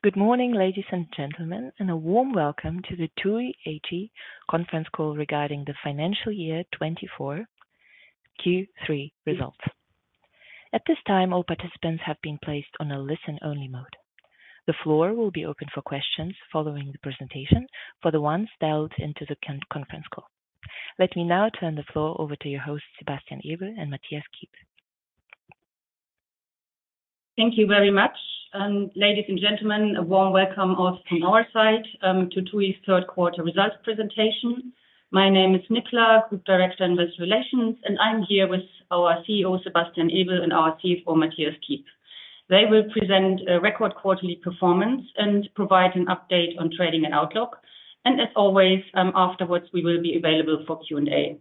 Good morning, ladies and gentlemen, and a warm welcome to the TUI AG conference call regarding the financial year 2024, Q3 results. At this time, all participants have been placed on a listen-only mode. The floor will be open for questions following the presentation for the ones dialed into the conference call. Let me now turn the floor over to your hosts, Sebastian Ebel and Mathias Kiep. Thank you very much, ladies and gentlemen, a warm welcome also from our side, to TUI's third quarter results presentation. My name is Nicola, Group Director, Investor Relations, and I'm here with our CEO, Sebastian Ebel, and our CFO, Mathias Kiep. They will present a record quarterly performance and provide an update on trading and outlook. And as always, afterwards, we will be available for Q&A.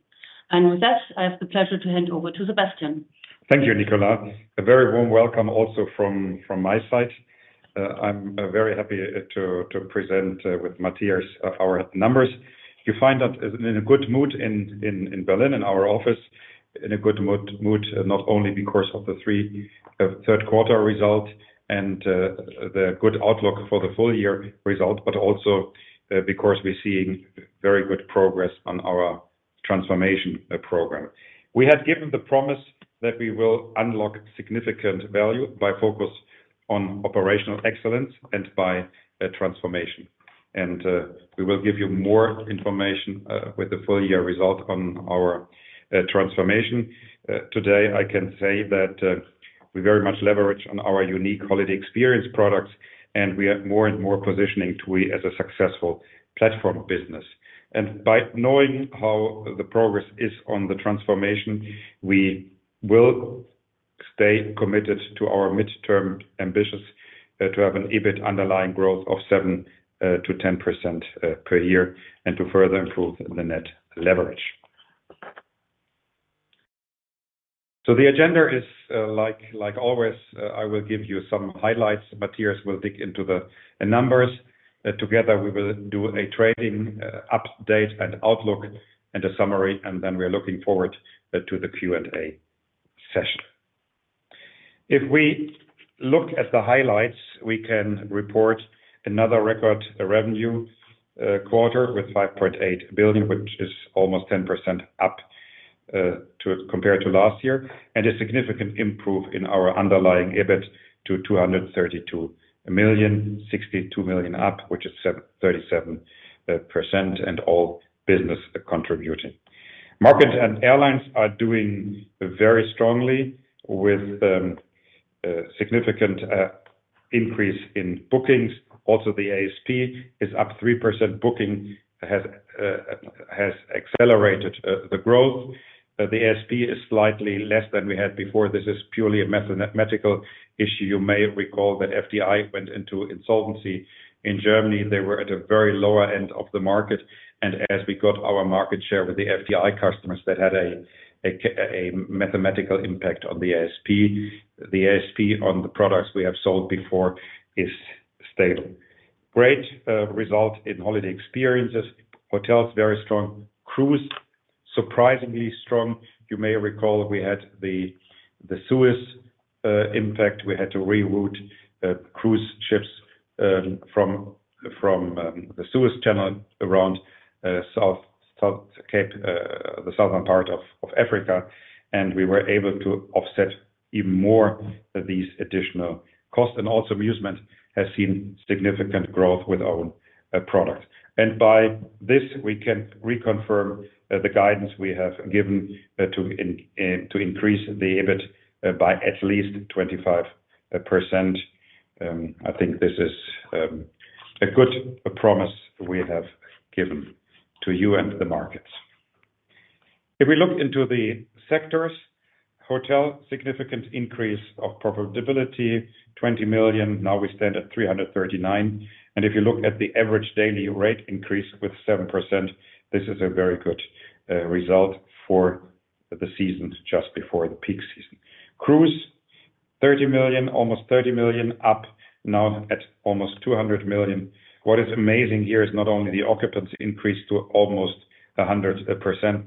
And with that, I have the pleasure to hand over to Sebastian. Thank you, Nicola. A very warm welcome also from my side. I'm very happy to present with Mathias our numbers. You find that in a good mood in Berlin, in our office, in a good mood, not only because of the third quarter result and the good outlook for the full year result, but also because we're seeing very good progress on our transformation program. We had given the promise that we will unlock significant value by focus on operational excellence and by a transformation. And we will give you more information with the full year result on our transformation. Today, I can say that we very much leverage on our unique holiday experience products, and we are more and more positioning TUI as a successful platform business. And by knowing how the progress is on the transformation, we will stay committed to our midterm ambitions, to have an underlying EBIT growth of 7%-10% per year, and to further improve the net leverage. So the agenda is, like, like always, I will give you some highlights, Mathias will dig into the, the numbers. Together, we will do a trading update and outlook and a summary, and then we're looking forward to the Q&A session. If we look at the highlights, we can report another record revenue quarter with 5.8 billion, which is almost 10% up compared to last year, and a significant improve in our underlying EBIT to 232 million, 62 million up, which is 37%, and all business contributing. Markets and airlines are doing very strongly with significant increase in bookings. Also, the ASP is up 3%. Booking has accelerated the growth. The ASP is slightly less than we had before. This is purely a mathematical issue. You may recall that FTI went into insolvency in Germany. They were at a very low end of the market, and as we got our market share with the FTI customers, that had a mathematical impact on the ASP. The ASP on the products we have sold before is stable. Great result in holiday experiences. Hotels, very strong. Cruise, surprisingly strong. You may recall we had the Suez impact. We had to reroute cruise ships from the Suez Canal around the Cape of Good Hope, the southern part of Africa, and we were able to offset even more of these additional costs. Also, Musement has seen significant growth with our products. By this, we can reconfirm the guidance we have given to increase the EBIT by at least 25%. I think this is a good promise we have given to you and the markets. If we look into the sectors, hotel, significant increase of profitability, 20 million. Now we stand at 339 million. If you look at the average daily rate increase with 7%, this is a very good result for the season, just before the peak season. 30 million, almost 30 million up, now at almost 200 million. What is amazing here is not only the occupancy increased to almost 100%,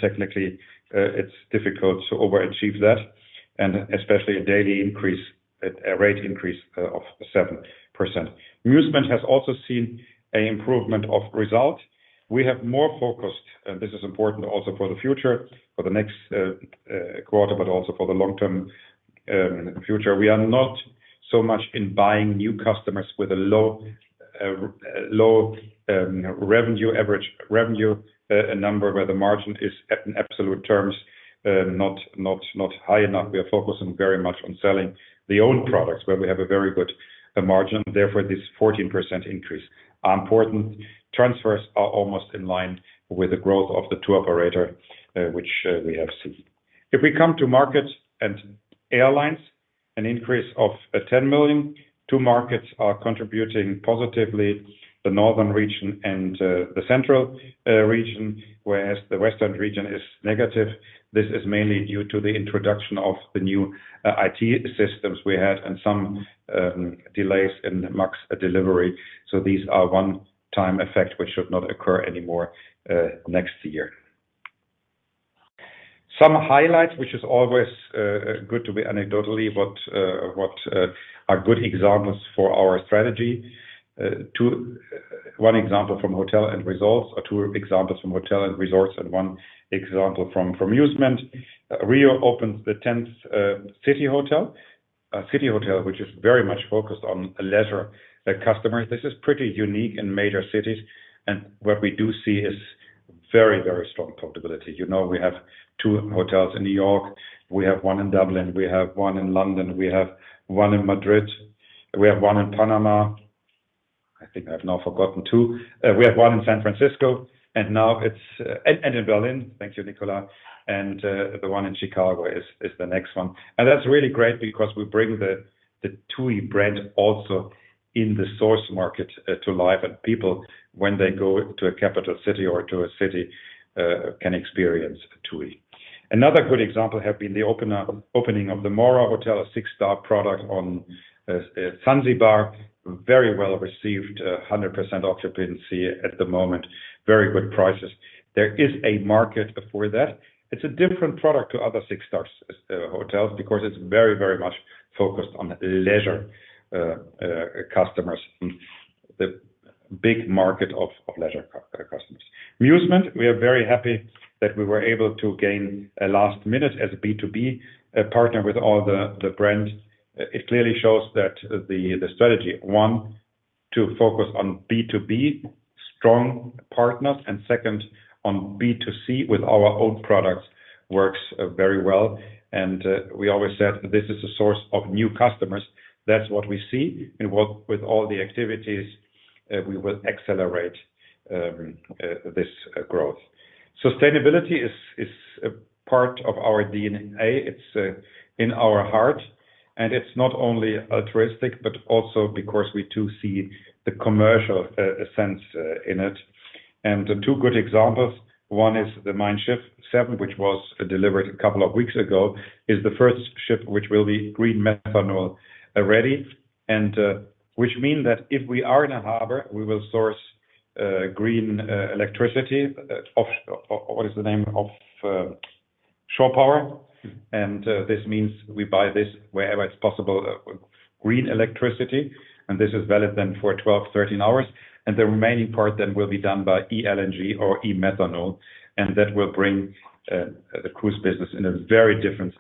technically, it's difficult to overachieve that, and especially a daily increase, a rate increase, of 7%. Musement has also seen an improvement of results. We have more focused, and this is important also for the future, for the next quarter, but also for the long-term future. We are not so much in buying new customers with a low, low revenue, average revenue, a number where the margin is at in absolute terms, not, not high enough. We are focusing very much on selling the own products, where we have a very good margin, therefore, this 14% increase. Our important transfers are almost in line with the growth of the tour operator, which we have seen. If we come to markets and airlines, an increase of 10 million, two markets are contributing positively, the northern region and the central region, whereas the western region is negative. This is mainly due to the introduction of the new IT systems we had and some delays in the MAX delivery. So these are one-time effect, which should not occur anymore next year. Some highlights, which is always good to be anecdotally, but what are good examples for our strategy. Two, one example from hotel and resorts, or two examples from hotel and resorts, and one example from Musement. RIU opens the 10th city hotel. A city hotel, which is very much focused on leisure customers. This is pretty unique in major cities, and what we do see is very, very strong profitability. You know, we have two hotels in N. Y. we have one in Dublin, we have one in London, we have one in Madrid, we have one in Panama. I think I've now forgotten two. We have one in San Francisco, and now it's and in Berlin. Thank you, Nicola. And the one in Chicago is the next one. And that's really great because we bring the TUI brand also in the source market to life. And people, when they go to a capital city or to a city, can experience TUI. Another good example has been the opening of The Mora Zanzibar, a six-star product on Zanzibar. Very well received, 100% occupancy at the moment. Very good prices. There is a market for that. It's a different product to other six stars hotels, because it's very, very much focused on leisure customers, the big market of leisure customers. Musement, we are very happy that we were able to gain a last minute as a B2B partner with all the brands. It clearly shows that the strategy, one, to focus on B2B, strong partners, and second, on B2C with our own products, works very well. We always said this is a source of new customers. That's what we see, and work with all the activities, we will accelerate this growth. Sustainability is a part of our DNA. It's in our heart, and it's not only altruistic, but also because we too see the commercial sense in it. And two good examples, one is the Mein Schiff 7, which was delivered a couple of weeks ago, is the first ship which will be green methanol ready. And which mean that if we are in a harbor, we will source green electricity off—what is the name? Of shore power. And this means we buy this wherever it's possible, green electricity, and this is valid then for 12, 13 hours, and the remaining part then will be done by eLNG or eMethanol, and that will bring the cruise business in a very different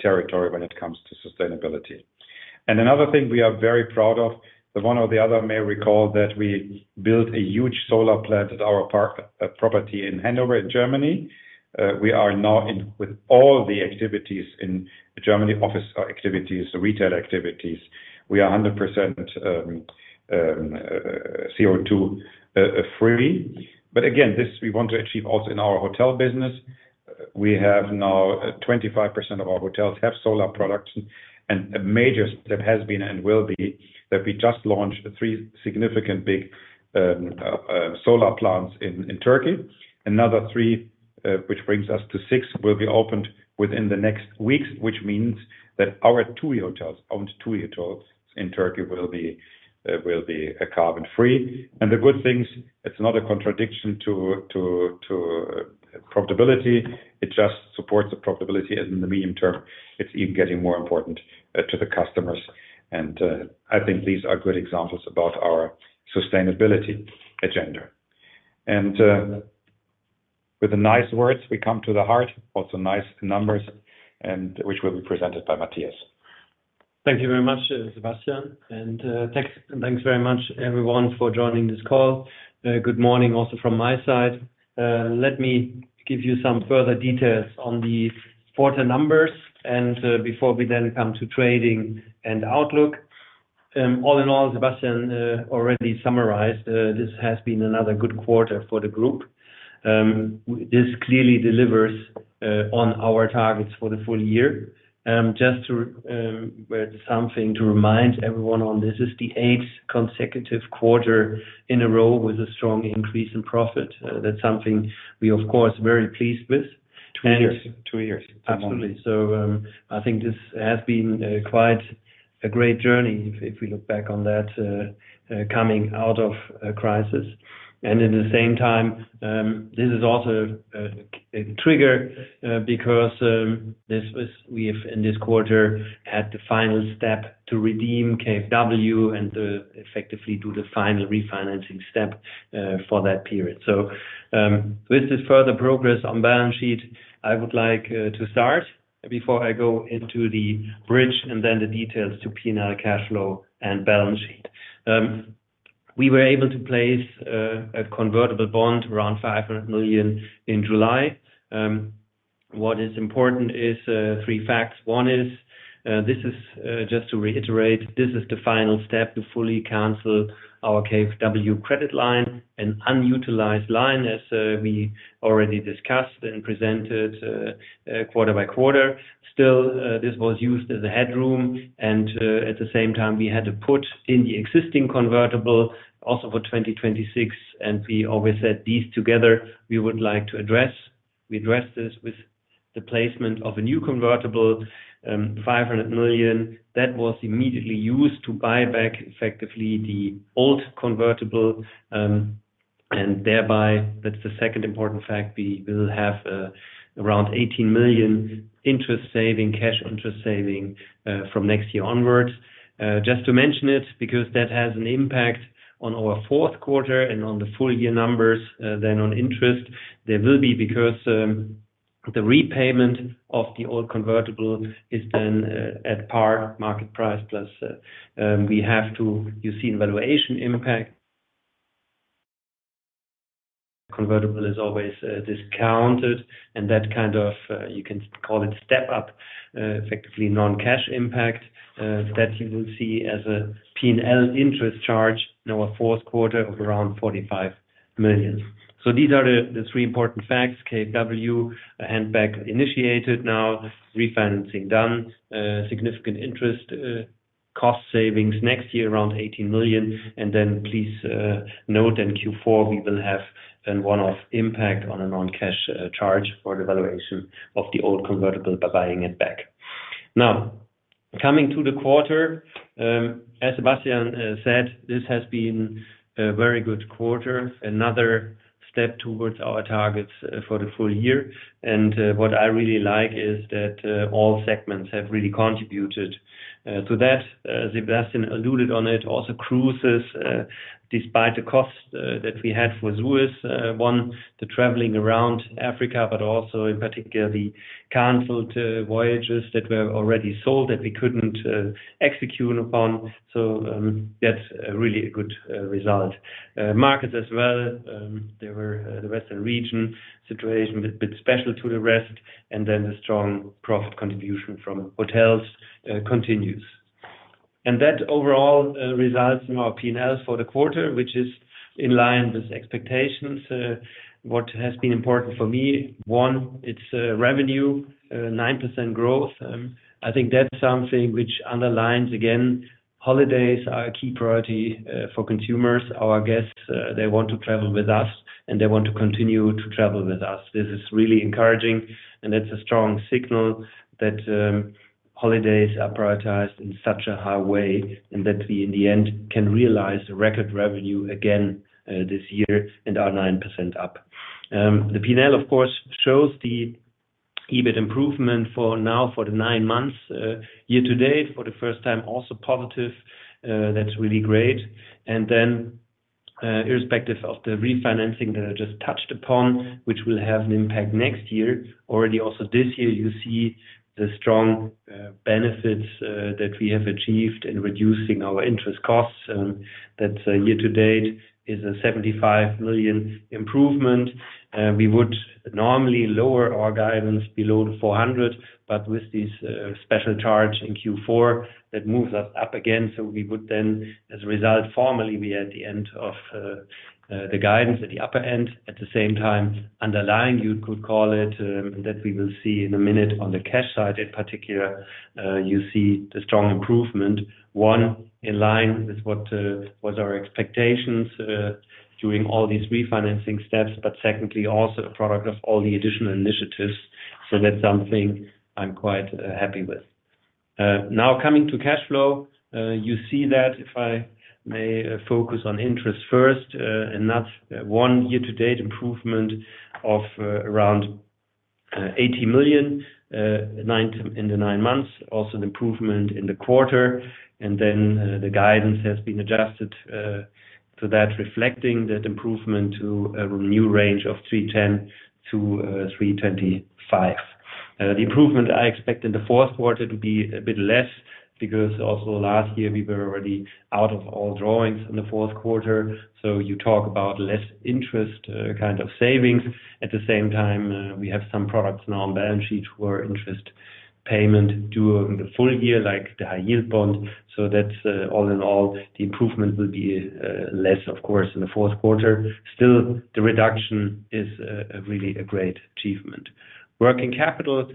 territory when it comes to sustainability. And another thing we are very proud of, that one or the other may recall, that we built a huge solar plant at our park property in Hanover, Germany. We are now in with all the activities in Germany, office activities, the retail activities. We are 100% CO2 free. But again, this we want to achieve also in our hotel business. We have now 25% of our hotels have solar products, and a major step has been and will be, that we just launched three significant big solar plants in Turkey. Another three, which brings us to six, will be opened within the next weeks, which means that our TUI hotels, owned TUI hotels in Turkey, will be carbon free. And the good things, it's not a contradiction to profitability. It just supports the profitability, and in the medium term, it's even getting more important to the customers. And I think these are good examples about our sustainability agenda. And with the nice words, we come to the heart, also nice numbers, and which will be presented by Mathias. Thank you very much, Sebastian, and, thanks, thanks very much everyone for joining this call. Good morning also from my side. Let me give you some further details on the quarter numbers, and, before we then come to trading and outlook. All in all, Sebastian, already summarized, this has been another good quarter for the group. This clearly delivers on our targets for the full year. Just to, something to remind everyone on this, is the eighth consecutive quarter in a row with a strong increase in profit. That's something we, of course, very pleased with. two years. two years. Absolutely. So, I think this has been quite a great journey if, if we look back on that, coming out of a crisis. And at the same time, this is also a trigger, because this was- we have in this quarter, had the final step to redeem KfW and, effectively do the final refinancing step, for that period. So, with this further progress on balance sheet, I would like to start before I go into the bridge and then the details to P&L cash flow and balance sheet. We were able to place a convertible bond around 500 million in July. What is important is three facts. One is, this is, just to reiterate, this is the final step to fully cancel our KfW credit line, an unutilized line, as, we already discussed and presented, quarter by quarter. Still, this was used as a headroom, and, at the same time, we had to put in the existing convertible, also for 2026, and we always said these together, we would like to address. We addressed this with the placement of a new convertible, 500 million. That was immediately used to buy back effectively the old convertible. And thereby, that's the second important fact, we will have, around 18 million interest saving, cash interest saving, from next year onwards. Just to mention it, because that has an impact on our fourth quarter and on the full year numbers, then on interest, there will be because, the repayment of the old convertible is then, at par market price, plus, we have to you see an valuation impact. Convertible is always, discounted, and that kind of, you can call it step up, effectively, non-cash impact, that you will see as a P&L interest charge in our fourth quarter of around 45 million. So these are the, the three important facts, KfW and bond initiated, now refinancing done, significant interest, cost savings next year, around 18 million. And then please, note in Q4, we will have an one-off impact on a non-cash, charge for the valuation of the old convertible by buying it back. Now, coming to the quarter, as Sebastian said, this has been a very good quarter, another step towards our targets for the full year. And, what I really like is that, all segments have really contributed, to that. Sebastian alluded on it. Also, cruises, despite the cost, that we had with Suez, one, the traveling around Africa, but also in particular, the canceled voyages that were already sold that we couldn't, execute upon. So, that's really a good, result. Markets as well, there were, the Western region situation bit special to the rest, and then the strong profit contribution from hotels, continues. And that overall, results in our P&L for the quarter, which is in line with expectations. What has been important for me, one, it's revenue, 9% growth. I think that's something which underlines, again, holidays are a key priority for consumers. Our guests, they want to travel with us, and they want to continue to travel with us. This is really encouraging, and it's a strong signal that, holidays are prioritized in such a high way, and that we, in the end, can realize the record revenue again, this year and are 9% up. The P&L, of course, shows the EBIT improvement for now for the nine months, year to date, for the first time, also positive. That's really great. And then, irrespective of the refinancing that I just touched upon, which will have an impact next year, already, also this year, you see the strong benefits that we have achieved in reducing our interest costs. That year to date is a 75 million improvement. We would normally lower our guidance below the 400, but with this special charge in Q4, that moves us up again. So we would then, as a result, formally be at the upper end of the guidance. At the same time, underlying, you could call it, that we will see in a minute on the cash side, in particular, you see the strong improvement, one, in line with what was our expectations during all these refinancing steps, but secondly, also a product of all the additional initiatives. So that's something I'm quite happy with. Now coming to cash flow, you see that if I may focus on interest first, and that's year to date improvement of around 80 million in the nine months, also an improvement in the quarter, and then the guidance has been adjusted to that, reflecting that improvement to a new range of 310 million-325 million. The improvement I expect in the fourth quarter to be a bit less, because also last year, we were already out of all drawings in the fourth quarter. So you talk about less interest kind of savings. At the same time, we have some products now on balance sheet where interest payment due over the full year, like the high yield bond. So that's, all in all, the improvement will be, less, of course, in the fourth quarter. Still, the reduction is, a really a great achievement. Working capital,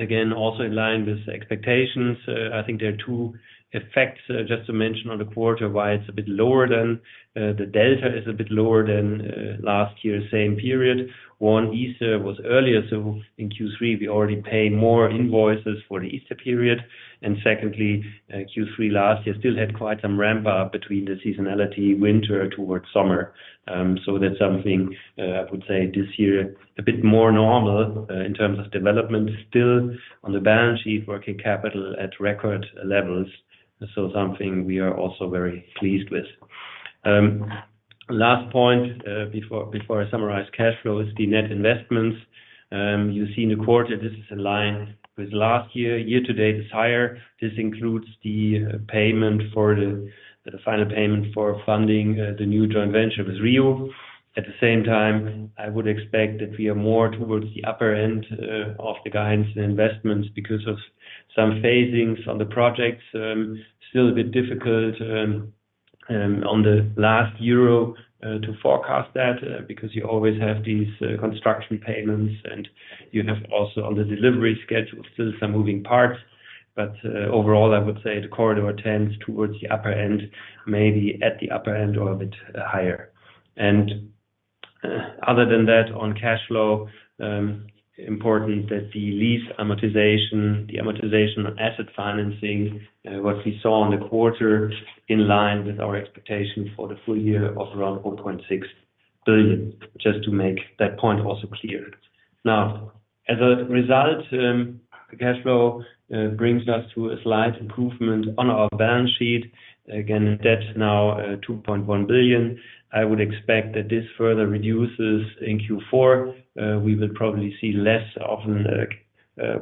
again, also in line with expectations. I think there are two effects, just to mention on the quarter, why it's a bit lower than, the delta is a bit lower than, last year, same period. One, Easter was earlier, so in Q3, we already paid more invoices for the Easter period. And secondly, Q3 last year still had quite some ramp up between the seasonality winter towards summer. So that's something, I would say this year, a bit more normal, in terms of development, still on the balance sheet, working capital at record levels. So something we are also very pleased with. Last point, before I summarize cash flow, is the net investments. You see in the quarter, this is in line with last year. Year to date, it's higher. This includes the final payment for funding the new joint venture with RIU. At the same time, I would expect that we are more towards the upper end of the guidance investments because of some phasings on the projects. Still a bit difficult on the last euro to forecast that because you always have these construction payments, and you have also on the delivery schedule, still some moving parts. But overall, I would say the corridor tends towards the upper end, maybe at the upper end or a bit higher. Other than that, on cash flow, important that the lease amortization, the amortization on asset financing, what we saw in the quarter, in line with our expectation for the full year of around 4.6 billion, just to make that point also clear. Now, as a result, cash flow brings us to a slight improvement on our balance sheet. Again, that's now 2.1 billion. I would expect that this further reduces in Q4. We will probably see less of an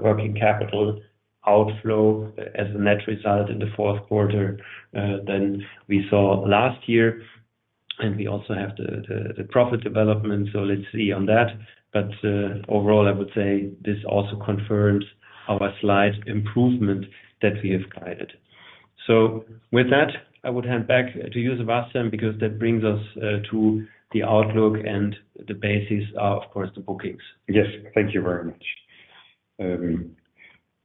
working capital outflow as a net result in the fourth quarter than we saw last year. And we also have the profit development, so let's see on that. But overall, I would say this also confirms our slight improvement that we have guided. So with that, I would hand back to you, Sebastian, because that brings us to the outlook and the basis of, of course, the bookings. Yes, thank you very much.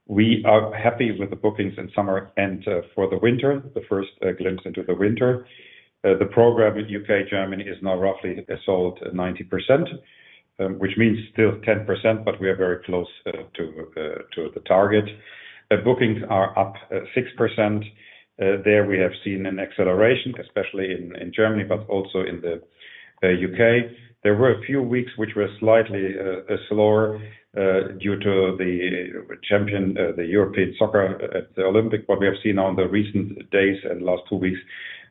We are happy with the bookings in summer and for the winter, the first glimpse into the winter. The program in U.K., Germany is now roughly sold 90%, which means still 10%, but we are very close to the target. The bookings are up 6%. There we have seen an acceleration, especially in Germany, but also in the U.K. There were a few weeks which were slightly slower due to the champion the European soccer at the Olympic. But we have seen on the recent days and last two weeks,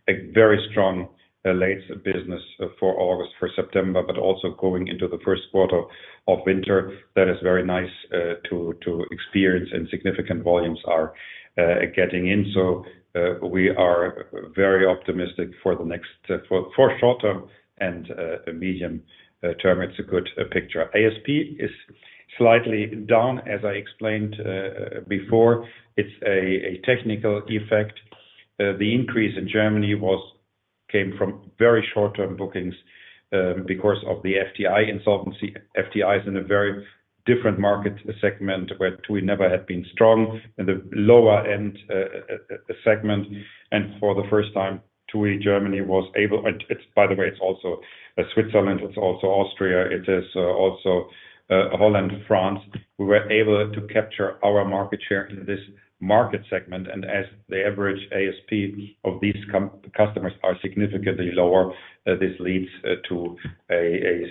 a very strong late business for August, for September, but also going into the first quarter of winter. That is very nice to experience, and significant volumes are getting in. So, we are very optimistic for the next, for short term and medium term, it's a good picture. ASP is slightly down, as I explained before. It's a technical effect. The increase in Germany came from very short-term bookings because of the FTI insolvency. FTI is in a very different market segment, where TUI never had been strong in the lower-end segment. And for the first time, TUI Germany was able. And it's by the way, it's also Switzerland, it's also Austria, it is also Holland, France. We were able to capture our market share in this market segment, and as the average ASP of these customers are significantly lower, this leads to a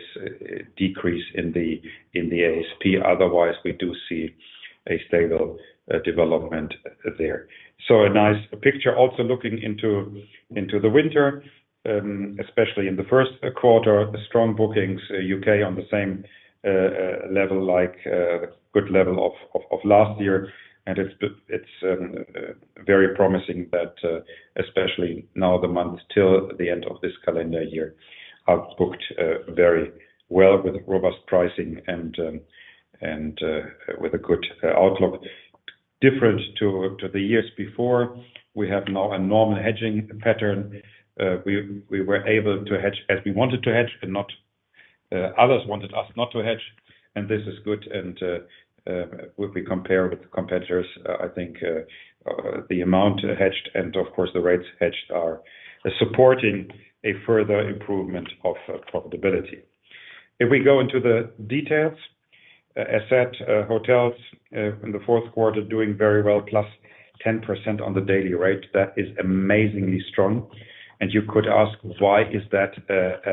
decrease in the ASP. Otherwise, we do see a stable development there. So a nice picture also looking into the winter, especially in the first quarter. Strong bookings, U.K. on the same level, like good level of last year. And it's good—it's very promising that, especially now, the months till the end of this calendar year, are booked very well with robust pricing and with a good outlook. Different to the years before, we have now a normal hedging pattern. We were able to hedge as we wanted to hedge and not others wanted us not to hedge, and this is good. And when we compare with the competitors, I think the amount hedged and of course, the rates hedged are supporting a further improvement of profitability. If we go into the details, asset hotels in the fourth quarter, doing very well, plus 10% on the daily rate. That is amazingly strong. And you could ask: Why is that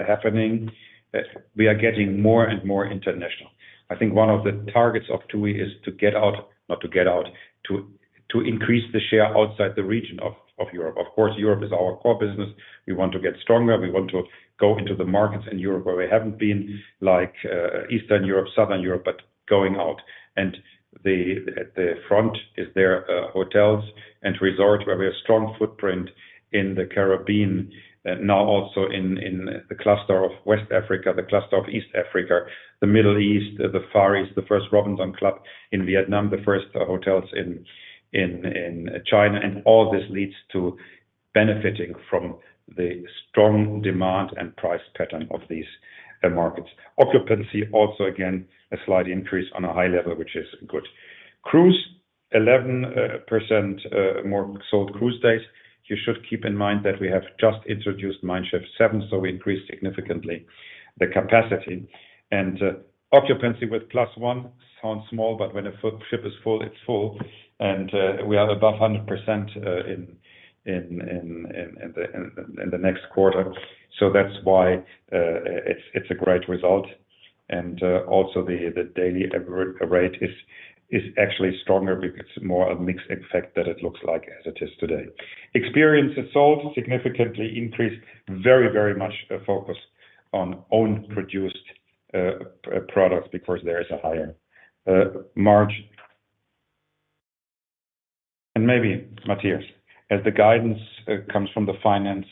happening? We are getting more and more international. I think one of the targets of TUI is to get out—not to get out, to increase the share outside the region of Europe. Of course, Europe is our core business. We want to get stronger. We want to go into the markets in Europe, where we haven't been, like Eastern Europe, Southern Europe, but going out. At the front is their hotels and resorts, where we have a strong footprint in the Caribbean, now also in the cluster of West Africa, the cluster of East Africa, the Middle East, the Far East, the first Robinson Club in Vietnam, the first hotels in China. And all this leads to benefiting from the strong demand and price pattern of these markets. Occupancy also, again, a slight increase on a high level, which is good. Cruise, 11% more sold cruise days. You should keep in mind that we have just introduced Mein Schiff 7, so we increased significantly the capacity. And occupancy with +1% sounds small, but when a ship is full, it's full, and we are above 100% in the next quarter. So that's why it's a great result. And also the daily average rate is actually stronger because it's more a mixed effect than it looks like as it is today. Experiences sold significantly increased. Very, very much a focus on own-produced products, because there is a higher margin. And maybe, Mathias, as the guidance comes from the finance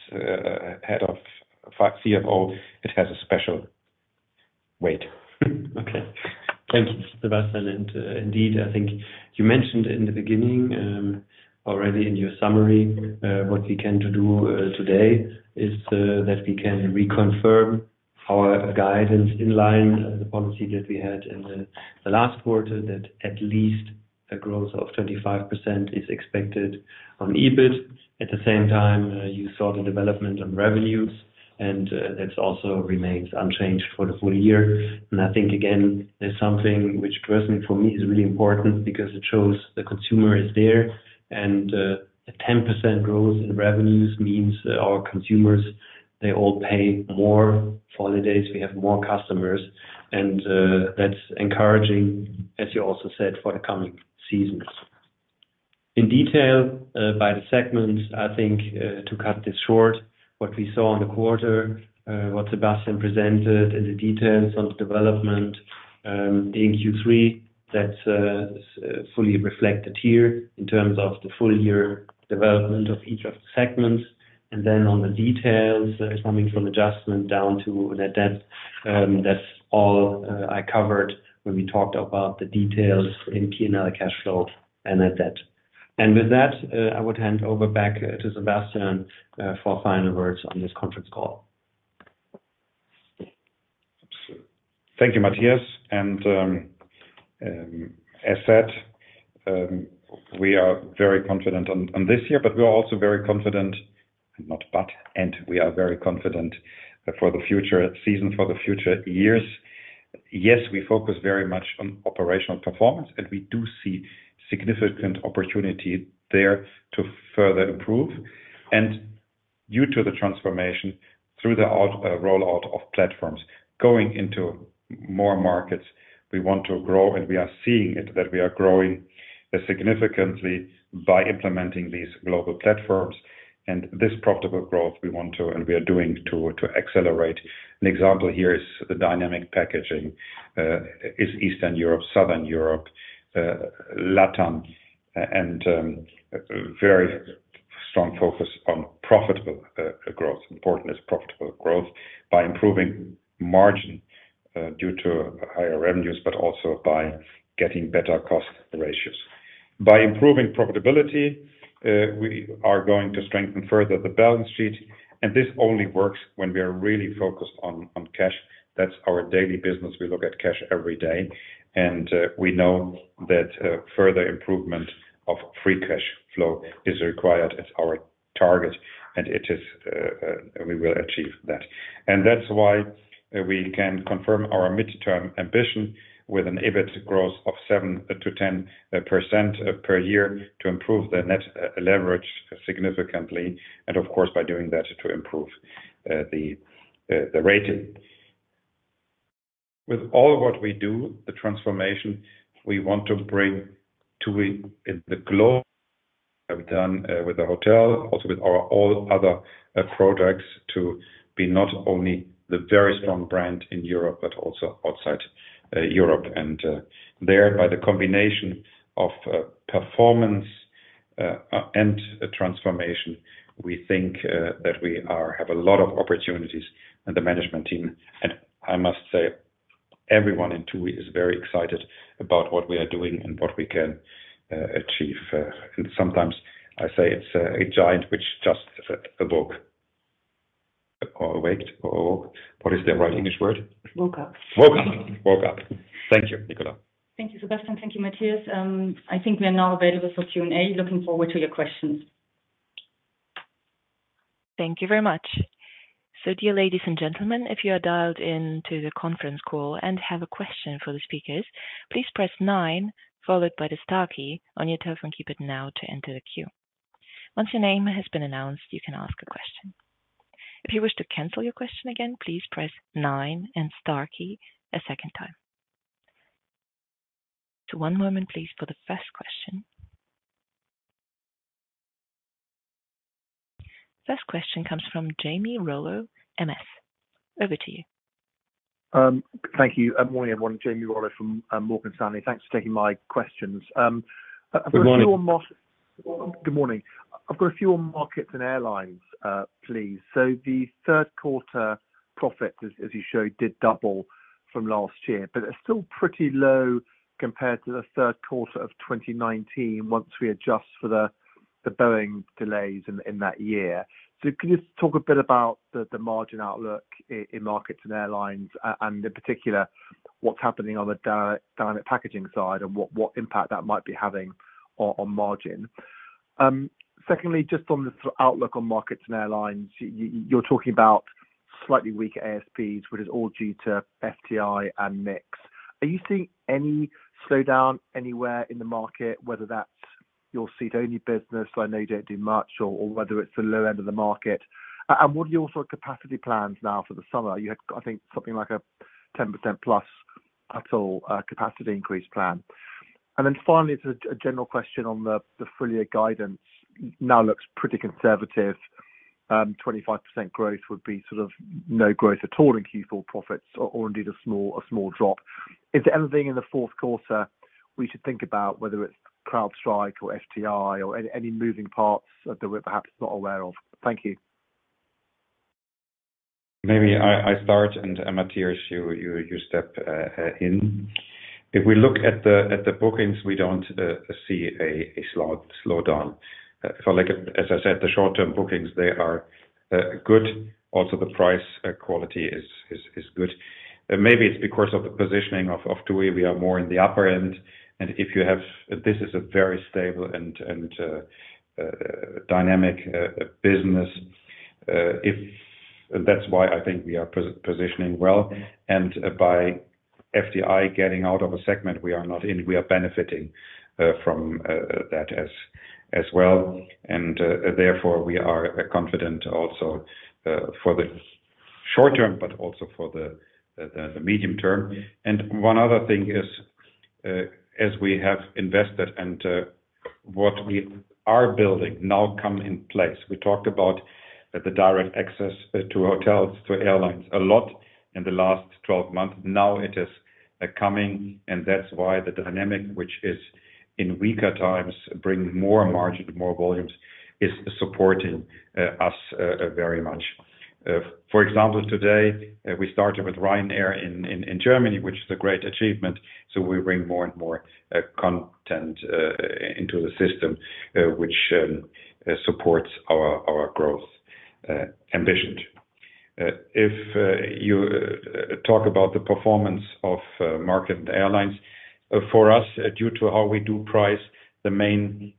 head of CFO, it has a special weight. Okay. Thank you, Sebastian. Indeed, I think you mentioned in the beginning already in your summary what we came to do today is that we can reconfirm our guidance in line with the policy that we had in the last quarter, that at least a growth of 25% is expected on EBIT. At the same time, you saw the development on revenues, and that also remains unchanged for the full year. And I think, again, there's something which personally for me is really important because it shows the consumer is there, and a 10% growth in revenues means our consumers they all pay more for holidays. We have more customers, and that's encouraging, as you also said, for the coming seasons. In detail, by the segments, I think, to cut this short, what we saw in the quarter, what Sebastian presented in the details of development, in Q3, that's fully reflected here in terms of the full year development of each of the segments, and then on the details, coming from adjustment down to net debt, that's all, I covered when we talked about the details in P&L cash flow and net debt. And with that, I would hand over back to Sebastian, for final words on this conference call. Thank you, Mathias. And, as said, we are very confident on this year, but we are also very confident... Not but, and we are very confident for the future season, for the future years. Yes, we focus very much on operational performance, and we do see significant opportunity there to further improve. And due to the transformation through the rollout of platforms, going into more markets, we want to grow, and we are seeing it, that we are growing significantly by implementing these global platforms. And this profitable growth, we want to, and we are doing to accelerate. An example here is the dynamic packaging is Eastern Europe, Southern Europe, Latin, and a very strong focus on profitable growth. Important is profitable growth by improving margin due to higher revenues, but also by getting better cost ratios. By improving profitability, we are going to strengthen further the balance sheet, and this only works when we are really focused on cash. That's our daily business. We look at cash every day, and we know that further improvement of free cash flow is required as our target, and it is, we will achieve that. And that's why we can confirm our midterm ambition with an EBIT growth of 7%-10% per year to improve the net leverage significantly, and of course, by doing that, to improve the rating. With all what we do, the transformation, we want to bring TUI in the globe, have done with the hotel, also with our all other products, to be not only the very strong brand in Europe, but also outside Europe. And, by the combination of performance and transformation, we think that we have a lot of opportunities and the management team, and I must say, everyone in TUI is very excited about what we are doing and what we can achieve. And sometimes I say it's a giant, which just set about or awoke, or what is the right English word? Woke up. Thank you, Nicola. Thank you, Sebastian. Thank you, Mathias. I think we are now available for Q&A. Looking forward to your questions. Thank you very much. So, dear ladies and gentlemen, if you are dialed in to the conference call and have a question for the speakers, please press nine followed by the star key on your telephone keypad now to enter the queue. Once your name has been announced, you can ask a question. If you wish to cancel your question again, please press nine and star key a second time. So one moment, please, for the first question. First question comes from Jamie Rollo, MS. Over to you. Thank you. Morning, everyone. Jamie Rollo from Morgan Stanley. Thanks for taking my questions. I've got a few on- Good morning. Good morning. I've got a few on markets and airlines, please. So the third quarter profit, as you showed, did double from last year, but it's still pretty low compared to the third quarter of 2019, once we adjust for the Boeing delays in that year. So could you just talk a bit about the margin outlook in markets and airlines, and in particular, what's happening on the dynamic packaging side and what impact that might be having on margin? Secondly, just on the outlook on markets and airlines, you're talking about slightly weaker ASPs, which is all due to FTI and mix. Are you seeing any slowdown anywhere in the market, whether that's your seat-only business, so I know you don't do much, or whether it's the low end of the market? And what are your sort of capacity plans now for the summer? You had, I think, something like a 10%+ at all, capacity increase plan. And then finally, it's a general question on the full year guidance. Now looks pretty conservative. 25% growth would be sort of no growth at all in Q4 profits or indeed, a small drop. Is there anything in the fourth quarter we should think about, whether it's CrowdStrike or FTI or any moving parts that we're perhaps not aware of? Thank you. Maybe I start, and Mathias, you step in. If we look at the bookings, we don't see a slowdown. For like, as I said, the short-term bookings, they are good. Also, the price quality is good. Maybe it's because of the positioning of the way we are more in the upper end, and if you have this is a very stable and dynamic business. If that's why I think we are positioning well, and by FTI getting out of a segment we are not in, we are benefiting from that as well. Therefore, we are confident also for the short term, but also for the medium term. And one other thing is, as we have invested and what we are building now come in place. We talked about the direct access to hotels, to airlines, a lot in the last 12 months. Now it is coming, and that's why the dynamic, which is in weaker times, bring more margin, more volumes, is supporting us very much. For example, today, we started with Ryanair in Germany, which is a great achievement. So we bring more and more content into the system, which supports our growth ambitions. If you talk about the performance of market and airlines, for us, due to how we do price, the main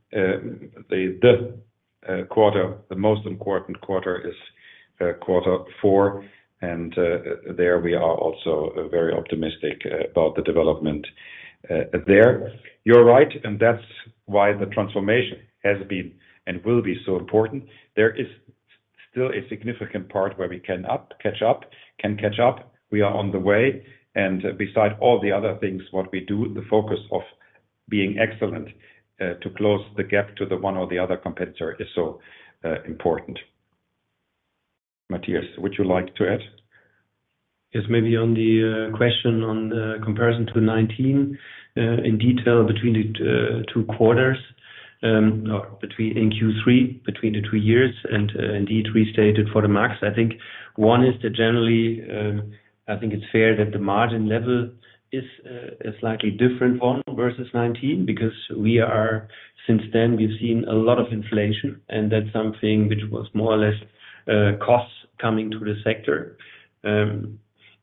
quarter, the most important quarter is quarter four, and there we are also very optimistic about the development there. You're right, and that's why the transformation has been and will be so important. There is still a significant part where we can catch up. We are on the way, and besides all the other things what we do, the focus of being excellent to close the gap to the one or the other competitor is so important. Mathias, would you like to add? Yes, maybe on the question on the comparison to 2019 in detail between the two quarters or between in Q3 between the two years, and indeed, we stated for the max. I think one is that generally, I think it's fair that the margin level is a slightly different one versus 2019, because we are—since then, we've seen a lot of inflation, and that's something which was more or less costs coming to the sector.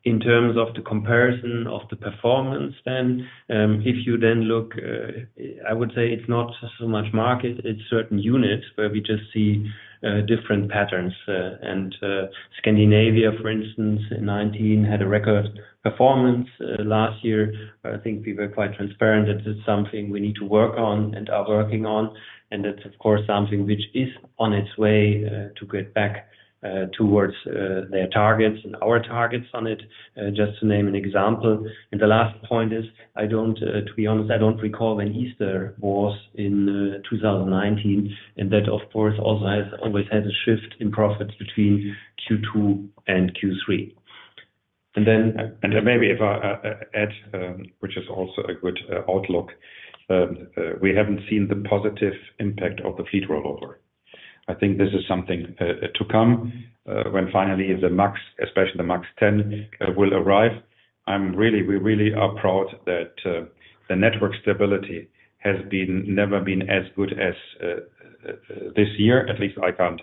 In terms of the comparison of the performance, then, if you then look, I would say it's not so much market, it's certain units, where we just see different patterns and Scandinavia, for instance, in 2019 had a record performance last year. I think we were quite transparent that this is something we need to work on and are working on, and that's, of course, something which is on its way to get back towards their targets and our targets on it, just to name an example. And the last point is, I don't, to be honest, I don't recall when Easter was in 2019, and that, of course, also has always had a shift in profits between Q2 and Q3. And then- Maybe if I add, which is also a good outlook, we haven't seen the positive impact of the fleet rollover. I think this is something to come, when finally the MAX, especially the MAX 10, will arrive. We really are proud that the network stability has never been as good as this year. At least I can't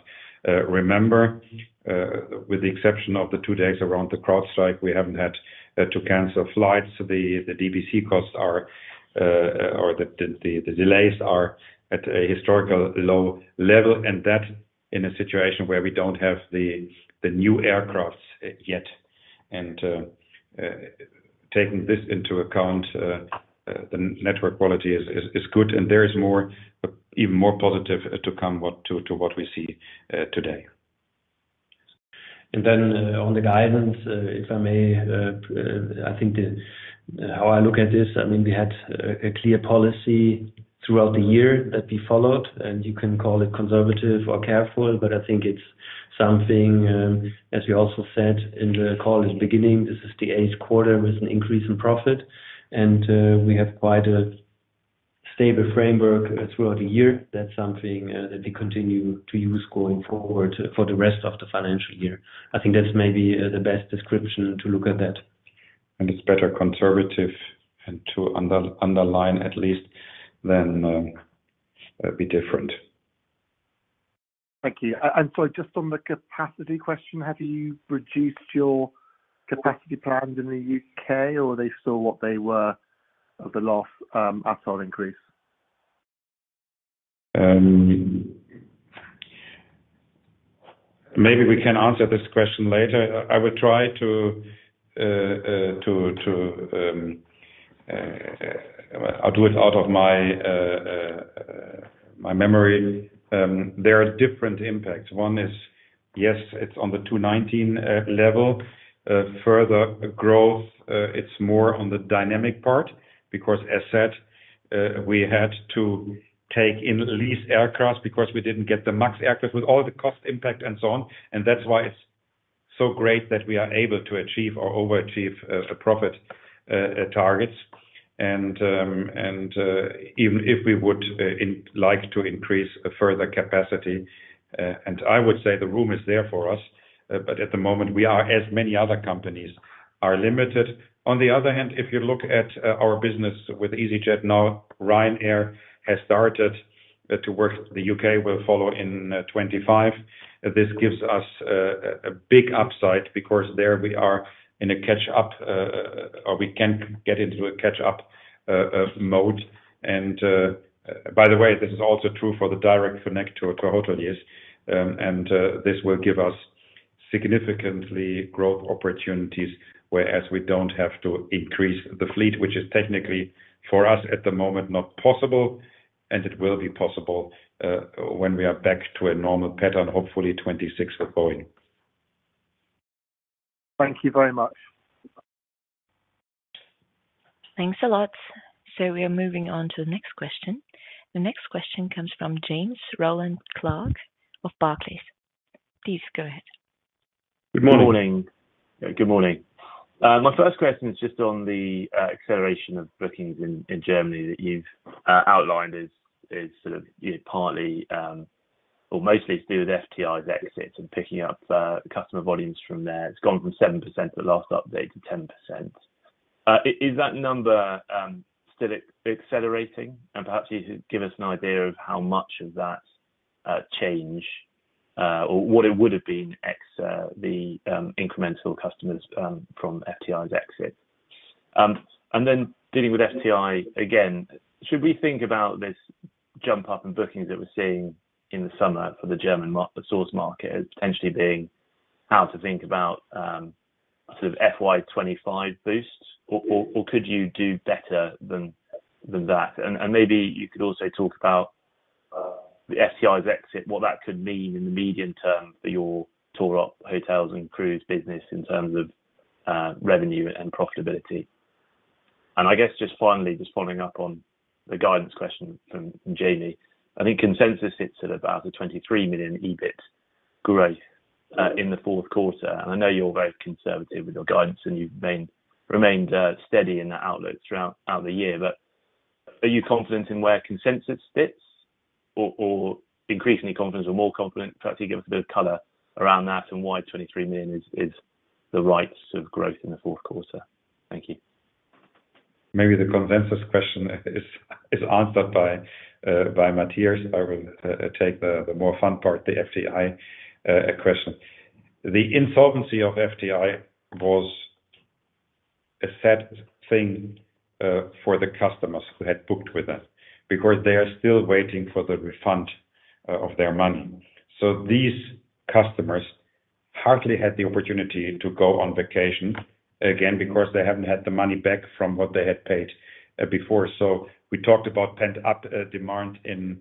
remember. With the exception of the two days around the CrowdStrike, we haven't had to cancel flights. The DBC costs are, or the delays are at a historical low level, and that in a situation where we don't have the new aircraft yet. Taking this into account, the network quality is good, and there is more, even more positive to come, what to, to what we see today. And then, on the guidance, if I may, I think the, how I look at this, I mean, we had a clear policy throughout the year that we followed, and you can call it conservative or careful, but I think it's something, as we also said in the call is beginning, this is the eighth quarter with an increase in profit, and we have quite a stable framework throughout the year. That's something, that we continue to use going forward for the rest of the financial year. I think that's maybe, the best description to look at that. It's better conservative and to underline at least than be different. Thank you. And so just on the capacity question, have you reduced your capacity plans in the U.K., or are they still what they were the last asset increase? Maybe we can answer this question later. I will try to. I'll do it out of my memory. There are different impacts. One is, yes, it's on the 219 level. Further growth, it's more on the dynamic part, because as I said, we had to take in lease aircraft, because we didn't get the max aircraft with all the cost impact and so on. And that's why it's so great that we are able to achieve or overachieve the profit targets. And even if we would like to increase a further capacity, and I would say the room is there for us, but at the moment, we are, as many other companies, limited. On the other hand, if you look at our business with easyJet, now Ryanair has started to work, the U.K. will follow in 2025. This gives us a big upside because there we are in a catch up, or we can get into a catch up mode. And by the way, this is also true for the direct connect to hoteliers. And this will give us significantly growth opportunities, whereas we don't have to increase the fleet, which is technically for us at the moment, not possible, and it will be possible when we are back to a normal pattern, hopefully 2026 of going. Thank you very much. Thanks a lot. So we are moving on to the next question. The next question comes from James Rowland Clark of Barclays. Please go ahead. Good morning. Good morning. My first question is just on the acceleration of bookings in Germany that you've outlined is sort of partly or mostly to do with FTI's exits and picking up customer volumes from there. It's gone from 7% at the last update to 10%. Is that number still accelerating? And perhaps you could give us an idea of how much of that change or what it would have been ex the incremental customers from FTI's exit. And then dealing with FTI again, should we think about this jump up in bookings that we're seeing in the summer for the German source market as potentially being how to think about sort of FY 2025 boosts? Or could you do better than that? Maybe you could also talk about the FTI's exit, what that could mean in the medium term for your tour op, hotels and cruise business in terms of revenue and profitability. I guess just finally, just following up on the guidance question from Jamie. I think consensus sits at about 23 million EBIT growth in the fourth quarter, and I know you're very conservative with your guidance, and you've remained steady in that outlook throughout the year. But are you confident in where consensus sits or increasingly confident or more confident? Perhaps you give us a bit of color around that and why 23 million is the right sort of growth in the fourth quarter. Thank you. Maybe the consensus question is answered by Mathias. I will take the more fun part, the FTI question. The insolvency of FTI was a sad thing for the customers who had booked with us because they are still waiting for the refund of their money. So these customers hardly had the opportunity to go on vacation again because they haven't had the money back from what they had paid before. So we talked about pent-up demand in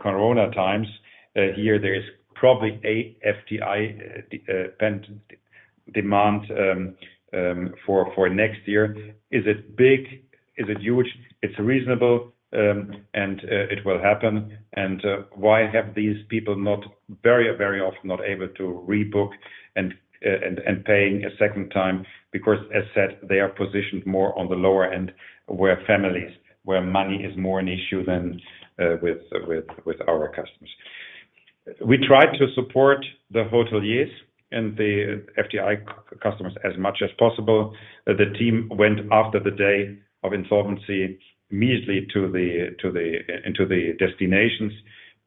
corona times. Here there is probably a FTI pent demand for next year. Is it big? Is it huge? It's reasonable, and it will happen. Why have these people very, very often not able to rebook and paying a second time? Because as said, they are positioned more on the lower end, where families, where money is more an issue than with our customers. We tried to support the hoteliers and the FTI customers as much as possible. The team went after the day of insolvency immediately into the destinations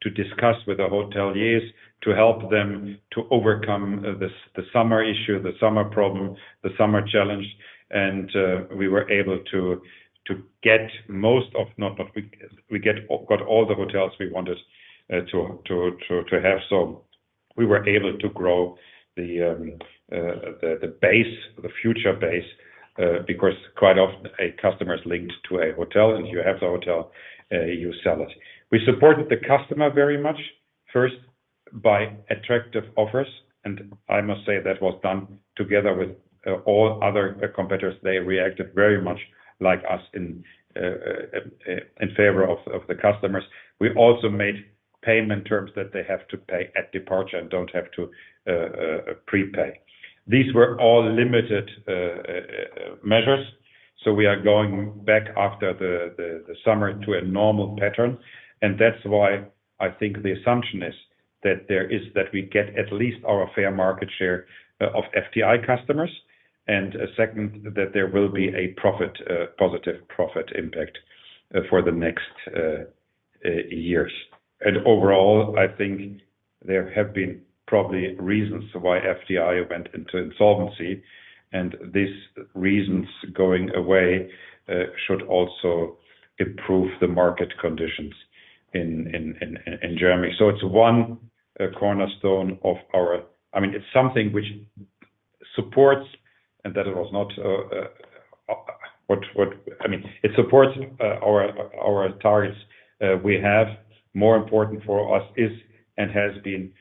to discuss with the hoteliers to help them to overcome this the summer issue, the summer problem, the summer challenge. We were able to get all the hotels we wanted to have. So we were able to grow the base, the future base, because quite often a customer is linked to a hotel, and if you have the hotel, you sell it. We supported the customer very much, first by attractive offers, and I must say that was done together with all other competitors. They reacted very much like us in favor of the customers. We also made payment terms that they have to pay at departure and don't have to prepay. These were all limited measures, so we are going back after the summer to a normal pattern, and that's why I think the assumption is that there is that we get at least our fair market share of FTI customers, and second, that there will be a positive profit impact for the next years. And overall, I think there have been probably reasons why FTI went into insolvency, and these reasons going away should also improve the market conditions in Germany. So it's one cornerstone of our—I mean, it's something which supports and that it was not, what, what—I mean, it supports our targets we have. More important for us is, and has been,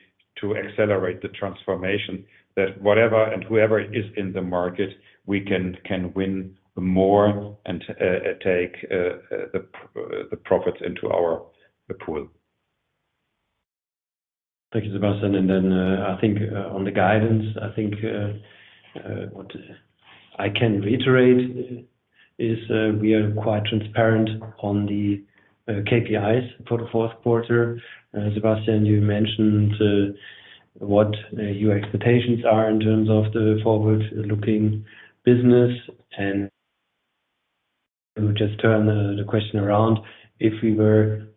to accelerate the transformation that whatever and whoever is in the market, we can win more and take the profits into our pool. Thank you, Sebastian. Then, I think, on the guidance, I think what I can reiterate is we are quite transparent on the KPIs for the fourth quarter. Sebastian, you mentioned what your expectations are in terms of the forward-looking business, and-... I would just turn the question around. If we were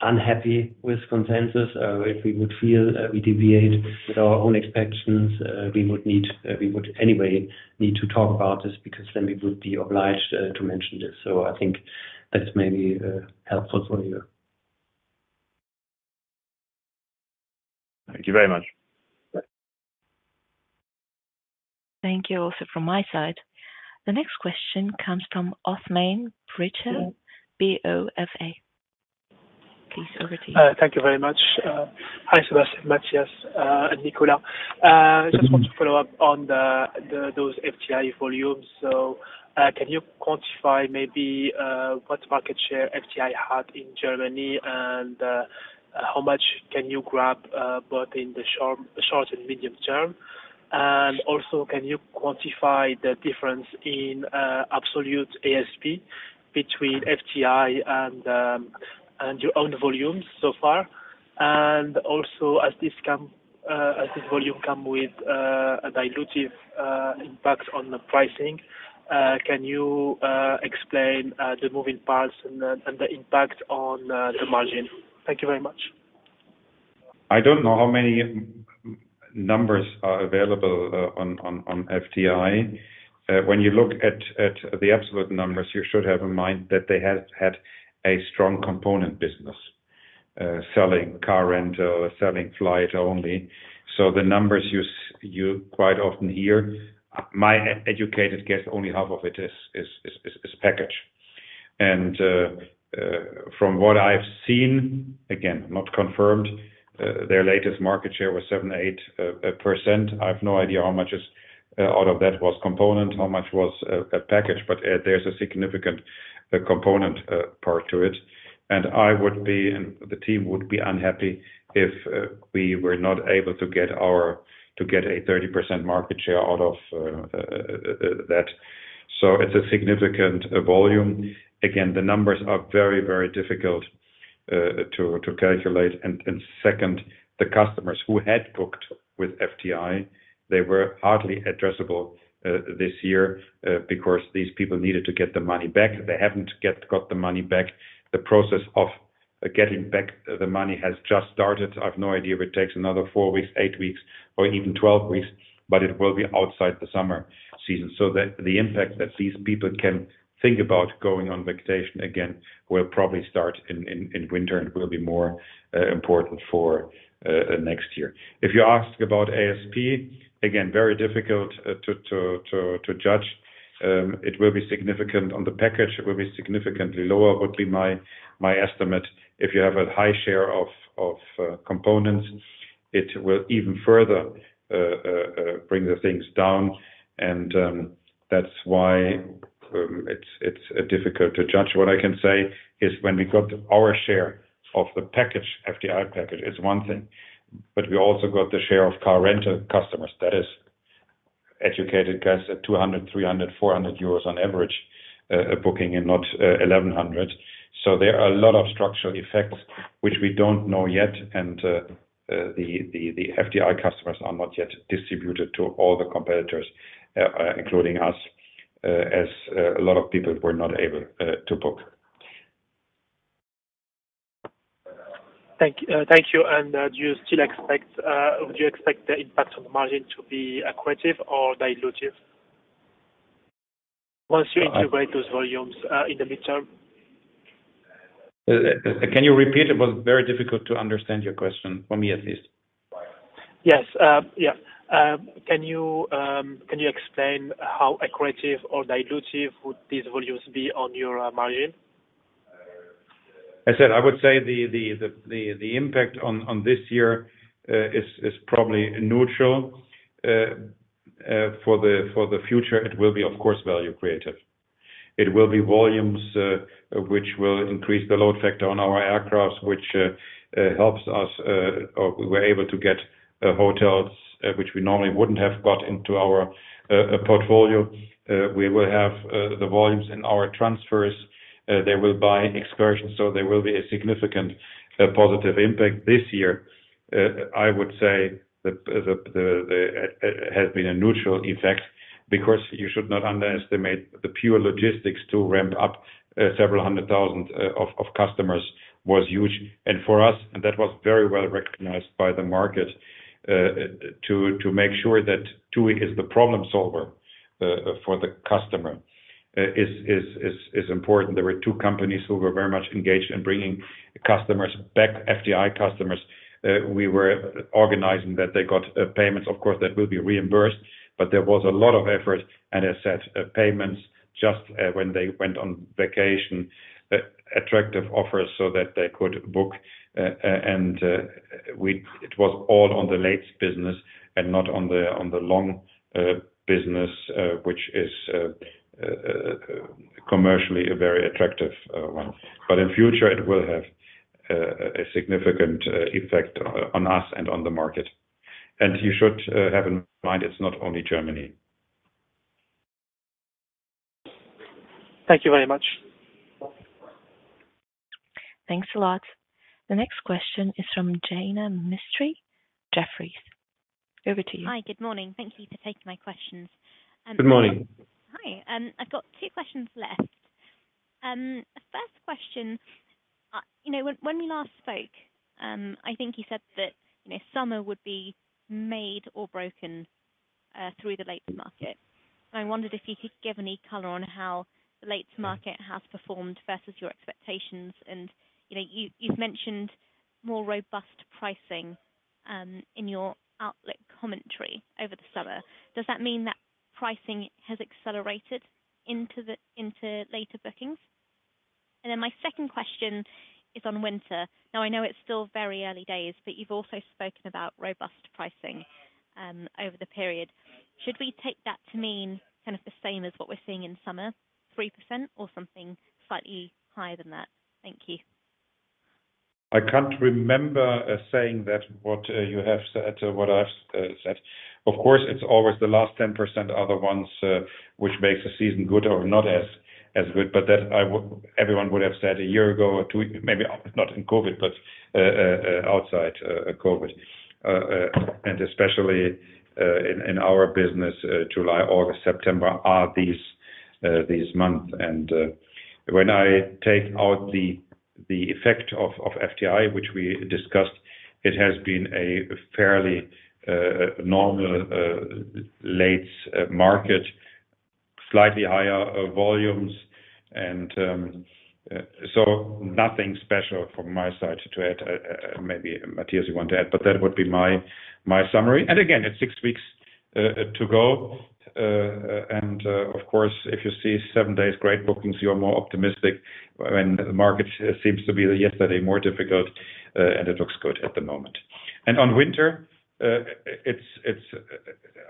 unhappy with consensus, if we would feel we deviate with our own expectations, we would need we would anyway need to talk about this, because then we would be obliged to mention this. So I think that's maybe helpful for you. Thank you very much. Bye. Thank you, also, from my side. The next question comes from Othmane Bricha, BofA. Please, over to you. Thank you very much. Hi, Sebastian, Mathias, and Nicola. Just want to follow up on those FTI volumes. So, can you quantify maybe what market share FTI had in Germany? And, how much can you grab both in the short and medium term? And also, can you quantify the difference in absolute ASP between FTI and your own volumes so far? And also, as this come as this volume come with a dilutive impact on the pricing, can you explain the moving parts and the impact on the margin? Thank you very much. I don't know how many numbers are available on FTI. When you look at the absolute numbers, you should have in mind that they had a strong component business, selling car rental or selling flight only. So the numbers you quite often hear, my educated guess, only half of it is package. And from what I've seen, again, not confirmed, their latest market share was 7%-8%. I have no idea how much is out of that was component, how much was a package, but there's a significant component part to it. And I would be, and the team would be unhappy if we were not able to get our—to get a 30% market share out of that. It's a significant volume. Again, the numbers are very, very difficult to calculate. And second, the customers who had booked with FTI, they were hardly addressable this year because these people needed to get their money back. They haven't got the money back. The process of getting back the money has just started. I have no idea if it takes another four weeks, eight weeks, or even 12 weeks, but it will be outside the summer season. So the impact that these people can think about going on vacation again will probably start in winter, and will be more important for next year. If you ask about ASP, again, very difficult to judge. It will be significant. On the package, it will be significantly lower, would be my estimate. If you have a high share of components, it will even further bring the things down, and that's why it's difficult to judge. What I can say is, when we got our share of the package, FTI package, is one thing, but we also got the share of car rental customers. That is educated guess, at 200-400 euros on average booking and not 1,100. So there are a lot of structural effects which we don't know yet, and the FTI customers are not yet distributed to all the competitors, including us, as a lot of people were not able to book. Thank you, thank you. And do you still expect... Do you expect the impact on the margin to be accretive or dilutive once you integrate those volumes in the midterm? Can you repeat? It was very difficult to understand your question, for me, at least. Yes. Yeah. Can you explain how accretive or dilutive would these volumes be on your margin? I said, I would say the impact on this year is probably neutral. For the future, it will be, of course, value creative. It will be volumes which will increase the load factor on our aircraft, which helps us or we were able to get hotels which we normally wouldn't have got into our portfolio. We will have the volumes in our transfers. They will buy excursions, so there will be a significant positive impact this year. I would say the has been a neutral effect because you should not underestimate the pure logistics to ramp up several hundred thousand of customers was huge. For us, that was very well recognized by the market to make sure that TUI is the problem solver for the customer is important. There were two companies who were very much engaged in bringing customers back, FTI customers. We were organizing that they got payments. Of course, that will be reimbursed, but there was a lot of effort and a set of payments just when they went on vacation. Attractive offers so that they could book, and it was all on the late business and not on the long business, which is commercially a very attractive one. But in future it will have a significant effect on us and on the market. You should have in mind, it's not only Germany. Thank you very much.... Thanks a lot. The next question is from Jaina Mistry, Jefferies. Over to you. Hi, good morning. Thank you for taking my questions. Good morning. Hi. I've got two questions left. The first question, you know, when we last spoke, I think you said that, you know, summer would be made or broken through the late market. I wondered if you could give any color on how the late market has performed versus your expectations, and, you know, you've mentioned more robust pricing in your outlet commentary over the summer. Does that mean that pricing has accelerated into the, into later bookings? And then my second question is on winter. Now, I know it's still very early days, but you've also spoken about robust pricing over the period. Should we take that to mean kind of the same as what we're seeing in summer, 3% or something slightly higher than that? Thank you. I can't remember saying that, what you have said, what I've said. Of course, it's always the last 10% are the ones which makes the season good or not as good. But that I would—everyone would have said a year ago or two, maybe not in COVID, but outside COVID. And especially in our business, July, August, September are these months. And when I take out the effect of FTI, which we discussed, it has been a fairly normal late market, slightly higher volumes and so nothing special from my side to add. Maybe Mathias, you want to add, but that would be my summary. And again, it's six weeks to go. Of course, if you see seven days great bookings, you are more optimistic when the market seems to be yesterday more difficult, and it looks good at the moment. On winter, it's,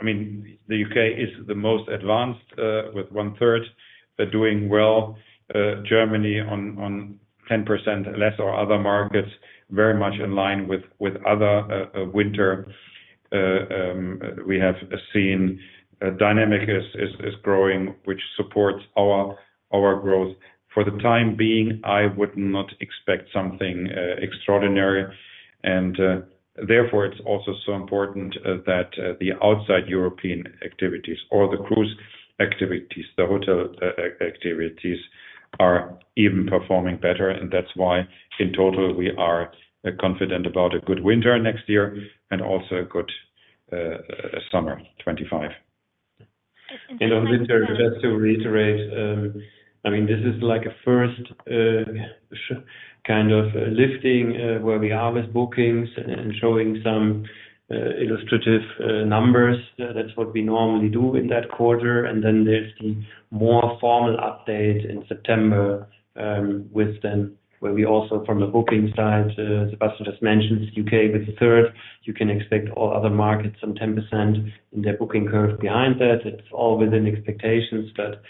I mean, the U.K. is the most advanced with one-third. They're doing well. Germany on 10% less, or other markets very much in line with other winter. We have seen dynamic is growing, which supports our growth. For the time being, I would not expect something extraordinary, and therefore it's also so important that the outside European activities or the cruise activities, the hotel activities, are even performing better. That's why in total we are confident about a good winter next year and also a good summer 2025. And then- On winter, just to reiterate, I mean, this is like a first kind of lifting, where we are with bookings and showing some illustrative numbers. That's what we normally do in that quarter. Then there's the more formal update in September, with then, where we also from the booking side, Sebastian just mentioned U.K. with the third. You can expect all other markets some 10% in their booking curve behind that. It's all within expectations, but,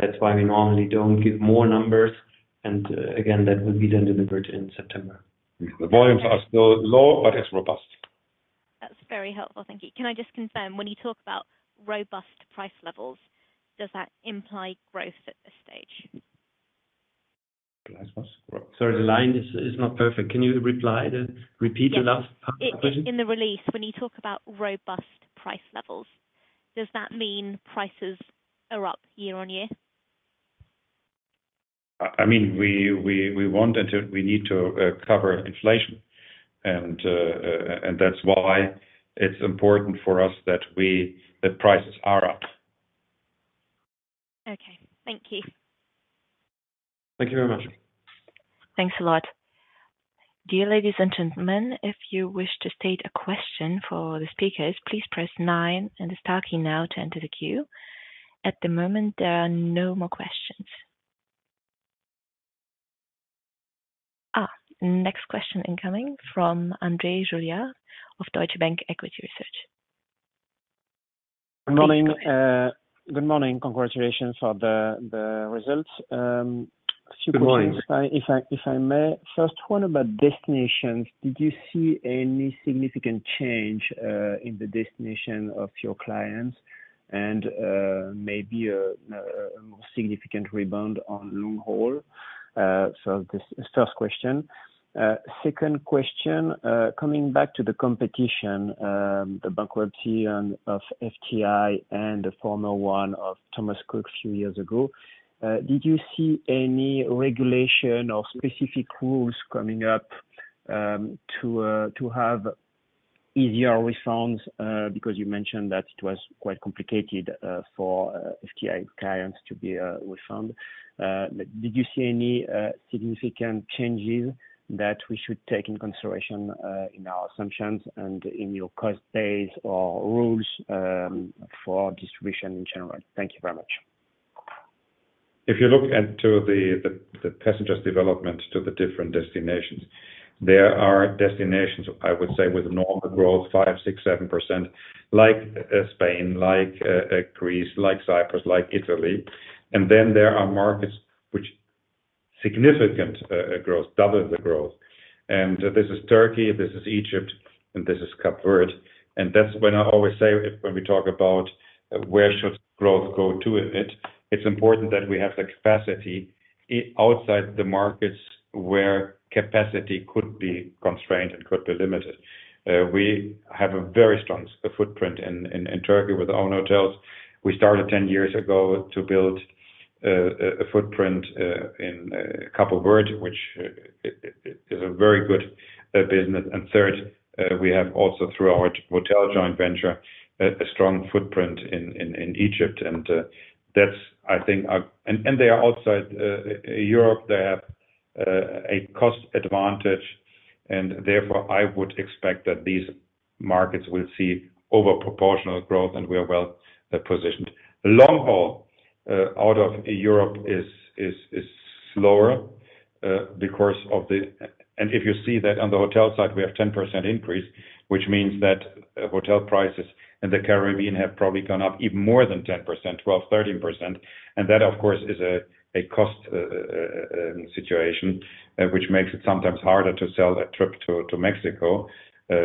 that's why we normally don't give more numbers. And, again, that will be then delivered in September. The volumes are still low but it's robust. That's very helpful. Thank you. Can I just confirm, when you talk about robust price levels, does that imply growth at this stage? Last one? Sorry, the line is not perfect. Can you repeat the last part of the question? Yes. In the release, when you talk about robust price levels, does that mean prices are up year on year? I mean, we want to... we need to, and that's why it's important for us that prices are up. Okay. Thank you. Thank you very much. Thanks a lot. Dear ladies and gentlemen, if you wish to state a question for the speakers, please press nine and star key now to enter the queue. At the moment, there are no more questions. Ah, next question incoming from André Juillard of Deutsche Bank Equity Research. Good morning. Good morning. Congratulations on the results. Good morning. If I may, first, what about destinations? Did you see any significant change in the destination of your clients and maybe a more significant rebound on long haul? So this first question. Second question, coming back to the competition, the bankruptcy and of FTI and the former one of Thomas Cook a few years ago, did you see any regulation or specific rules coming up to have easier refunds? Because you mentioned that it was quite complicated for FTI clients to be refunded. Did you see any significant changes that we should take in consideration in our assumptions and in your cost base If you look at the passengers development to the different destinations, there are destinations, I would say, with normal growth, 5%, 6%, 7%, like, Spain, like, Greece, like Cyprus, like Italy. And then there are markets which significant growth, double the growth. And this is Turkey, this is Egypt, and this is Cape Verde. And that's when I always say, when we talk about where should growth go to in it, it's important that we have the capacity outside the markets where capacity could be constrained and could be limited. We have a very strong footprint in Turkey with our own hotels. We started 10 years ago to build a footprint in Cape Verde, which is a very good business. And third, we have also, through our hotel joint venture, a strong footprint in Egypt. And that's, I think, and they are outside Europe. They have a cost advantage, and therefore, I would expect that these markets will see over proportional growth, and we are well positioned. Long haul out of Europe is slower because of the. And if you see that on the hotel side, we have 10% increase, which means that hotel prices in the Caribbean have probably gone up even more than 10%, 12%, 13%. And that, of course, is a cost situation which makes it sometimes harder to sell a trip to Mexico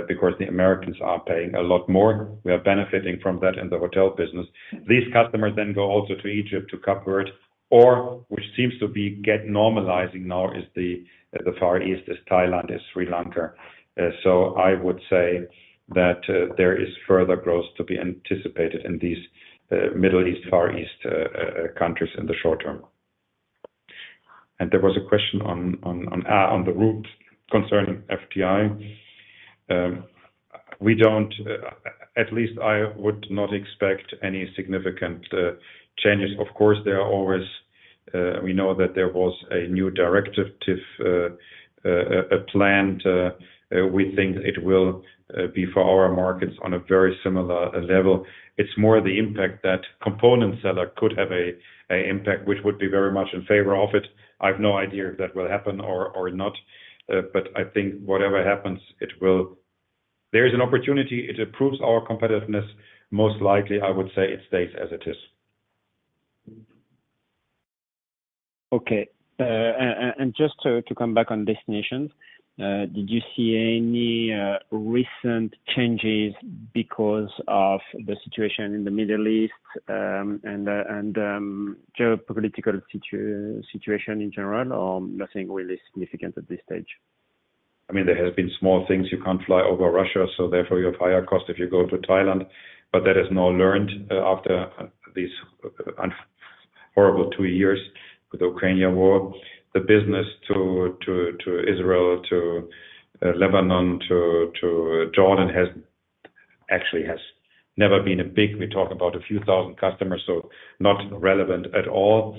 because the Americans are paying a lot more. We are benefiting from that in the hotel business. These customers then go also to Egypt to cover it, or which seems to be get normalizing now is the Far East, is Thailand, is Sri Lanka. So I would say that there is further growth to be anticipated in these Middle East, Far East countries in the short term. And there was a question on the rules concerning FTI. We don't, at least I would not expect any significant changes. Of course, there are always. We know that there was a new directive planned. We think it will be for our markets on a very similar level. It's more the impact that component seller could have a impact, which would be very much in favor of it. I've no idea if that will happen or not, but I think whatever happens, it will— There is an opportunity. It improves our competitiveness. Most likely, I would say it stays as it is. Okay. And just to come back on destinations, did you see any recent changes because of the situation in the Middle East, and the geopolitical situation in general, or nothing really significant at this stage? I mean, there has been small things. You can't fly over Russia, so therefore, you have higher cost if you go to Thailand. But that is now learned, after these horrible two years with the Ukrainian war. The business to Israel, to Lebanon, to Jordan, has actually never been a big. We talk about a few thousand customers, so not relevant at all.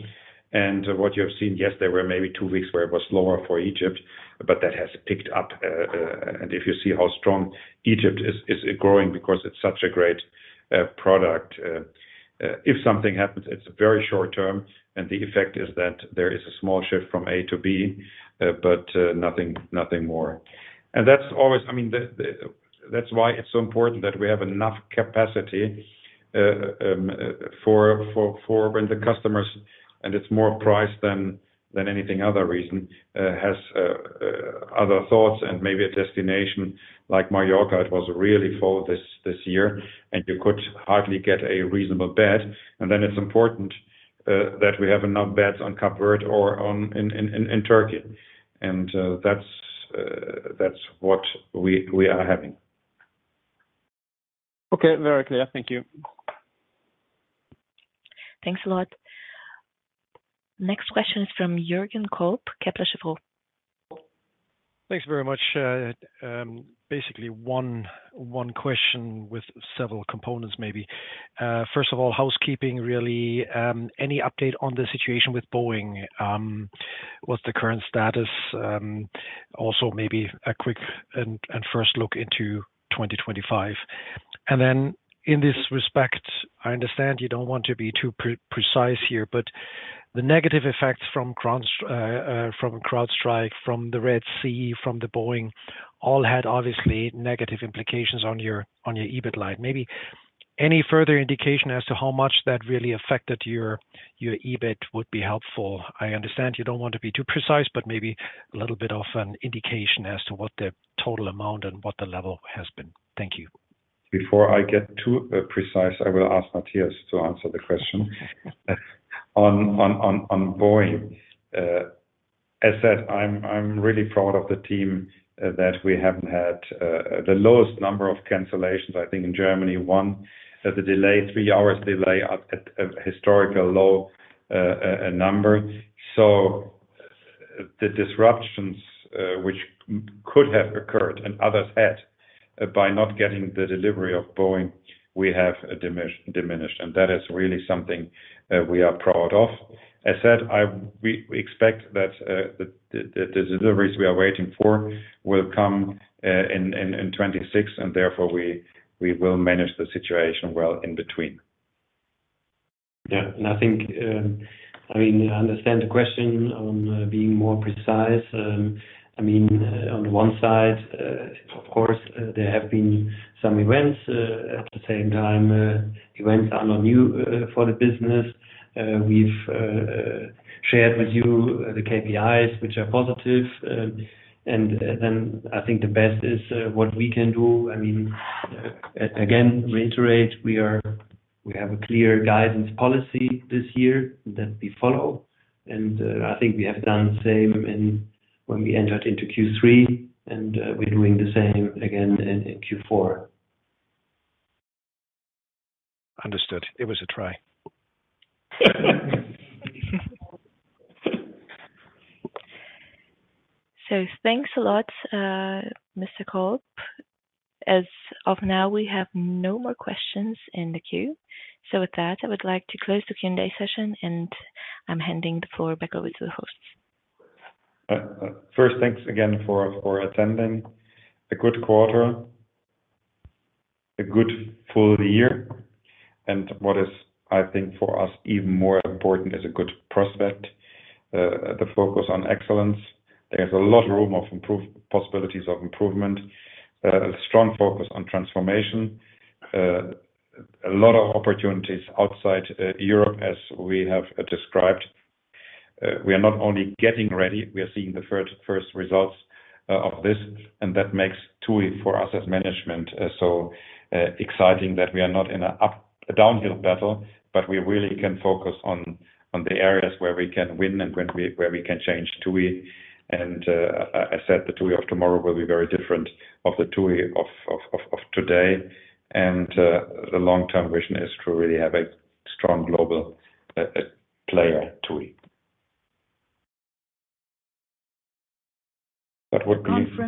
And what you have seen, yes, there were maybe two weeks where it was slower for Egypt, but that has picked up. And if you see how strong Egypt is growing because it's such a great product. If something happens, it's very short term, and the effect is that there is a small shift from A-B, but nothing, nothing more. That's always—I mean, that's why it's so important that we have enough capacity for when the customers, and it's more price than anything other reason has other thoughts and maybe a destination like Mallorca. It was really full this year, and you could hardly get a reasonable bed. Then it's important that we have enough beds in Cuba or in Turkey. That's what we are having. Okay. Very clear. Thank you. Thanks a lot. Next question is from Jürgen Kolb, Kepler Cheuvreux. Thanks very much. Basically one question with several components, maybe. First of all, housekeeping, really, any update on the situation with Boeing? What's the current status? Also, maybe a quick and first look into 2025. And then in this respect, I understand you don't want to be too precise here, but the negative effects from CrowdStrike, from the Red Sea, from Boeing, all had obviously negative implications on your EBIT line. Maybe any further indication as to how much that really affected your EBIT would be helpful. I understand you don't want to be too precise, but maybe a little bit of an indication as to what the total amount and what the level has been. Thank you. Before I get too precise, I will ask Mathias to answer the question. On Boeing, as said, I'm really proud of the team that we have had the lowest number of cancellations, I think, in Germany, one. That the delay, three hours delay at a historical low number. So the disruptions which could have occurred and others had, by not getting the delivery of Boeing, we have diminished, and that is really something we are proud of. I said, we expect that the deliveries we are waiting for will come in 2026, and therefore we will manage the situation well in between. Yeah, and I think, I mean, I understand the question on being more precise. I mean, on the one side, of course, there have been some events. At the same time, events are not new for the business. We've shared with you the KPIs, which are positive. And then I think the best is what we can do, I mean, again, reiterate, we are-- we have a clear guidance policy this year that we follow, and I think we have done the same in when we entered into Q3, and we're doing the same again in in Q4. Understood. It was a try. So thanks a lot, Mr. Kolb. As of now, we have no more questions in the queue. So with that, I would like to close the Q&A session, and I'm handing the floor back over to the host. First, thanks again for attending. A good quarter, a good full year, and what is, I think, for us, even more important is a good prospect, the focus on excellence. There is a lot of room for possibilities of improvement, a strong focus on transformation, a lot of opportunities outside Europe, as we have described. We are not only getting ready, we are seeing the first results of this, and that makes TUI for us as management so exciting that we are not in an uphill, a downhill battle, but we really can focus on the areas where we can win and where we can change TUI. I said the TUI of tomorrow will be very different from the TUI of today. The long-term vision is to really have a strong global player, TUI. That would be.